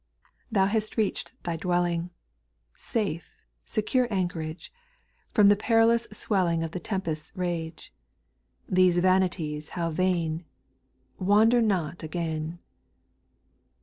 8. Thou hast reach'd thy dwelling, Safe, sure anchorage. From the perilous swelling Of the tempest's rage. These vanities how vain 1 Wander not again.